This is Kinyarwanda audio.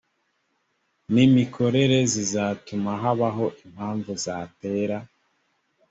n imikorere zidatuma habaho impamvu zatera